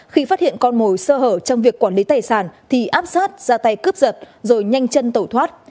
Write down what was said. khi phát hiện con mồi sơ hở trong việc quản lý tài sản thì áp sát ra tay cướp giật rồi nhanh chân tẩu thoát